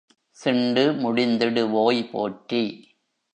சிண்டு முடிந்திடுவோய் போற்றி!